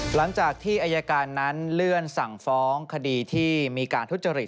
หลังจากที่อายการนั้นเลื่อนสั่งฟ้องคดีที่มีการทุจริต